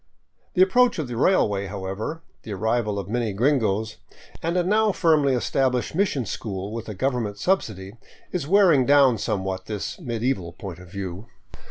The approach of the railway, however, the arrival of many gringos, and a now firmly established mission school with a govern ment subsidy is wearing down somewhat this medieval point of view.